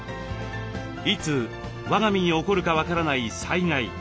いつわが身に起こるか分からない災害。